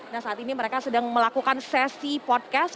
nah saat ini mereka sedang melakukan sesi podcast